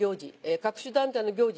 各種団体の行事